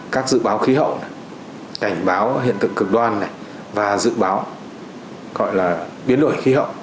các dự báo khí hậu cảnh báo hiện tượng cực đoan này và dự báo gọi là biến đổi khí hậu